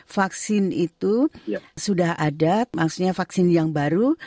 vaksin itu sudah ada maksudnya vaksin yang baru